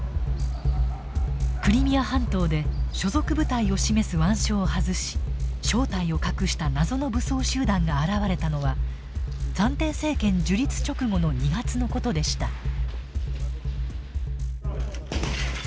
クリミア半島で所属部隊を示す腕章を外し正体を隠した謎の武装集団が現れたのは暫定政権樹立直後の２月の事でした。